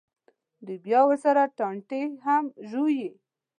دوی بیا ورسره ټانټې هم ژووي.